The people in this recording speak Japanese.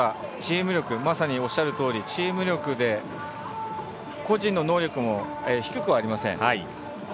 まさにおっしゃるとおりのチーム力で個人の能力も低くはありません。